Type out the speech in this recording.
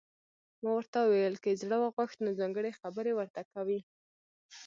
ما ورته وویل: که یې زړه وغوښت، نو ځانګړي خبرې ورته کوي.